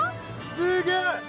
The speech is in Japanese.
すげえ！